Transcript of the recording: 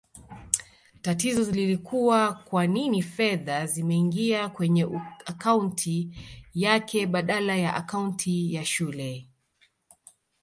Tatizo lilikua kwanini fedha zimeingia kwenye akaunti yake badala ya akaunti ya shule